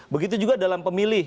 begitu juga dalam pemilih